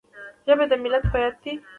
ژبه د ملت هویت دی